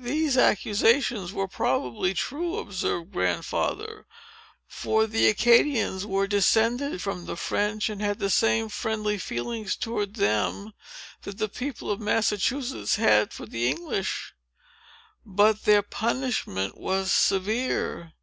"These accusations were probably true," observed Grandfather; "for the Acadians were descended from the French, and had the same friendly feelings towards them, that the people of Massachusetts had for the English. But their punishment was severe.